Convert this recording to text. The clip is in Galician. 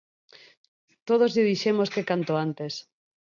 Todos lle dixemos que canto antes.